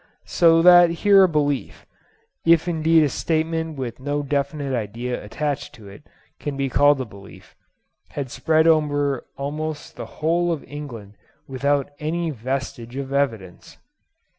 So that here a belief—if indeed a statement with no definite idea attached to it can be called a belief—had spread over almost the whole of England without any vestige of evidence.